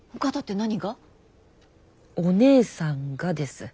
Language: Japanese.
お姉さんがです。